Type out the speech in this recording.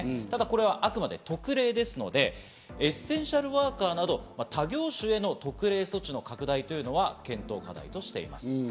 ただこれはあくまで特例ですので、エッセンシャルワーカーなど、他業種への特例措置の拡大というのは検討課題としています。